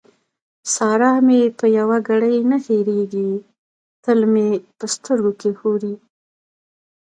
سارا مې په يوه ګړۍ نه هېرېږي؛ تل مې په سترګو کې ښوري.